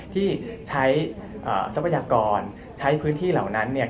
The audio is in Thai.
ที่ใช้ทรัพยากรใช้พื้นที่เหล่านั้นเนี่ย